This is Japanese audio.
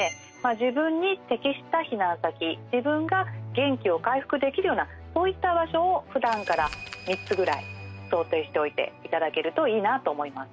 自分に適した避難先自分が元気を回復できるようなそういった場所をふだんから３つぐらい想定しておいて頂けるといいなと思います。